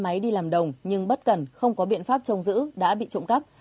xe máy đi làm đồng nhưng bất cần không có biện pháp trông giữ đã bị trộm cắp